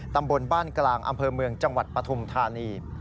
ตำบลบ้านกลางอำเภอเมืองจังหวัดปฐุมธานี